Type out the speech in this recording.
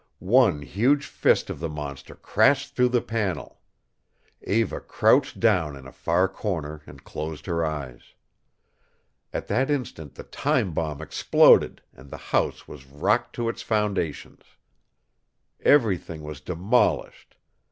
One huge fist of the monster crashed through the panel. Eva crouched down in a far corner and closed her eyes. At that instant the time bomb exploded and the house was rocked to its foundations. Everything was demolished.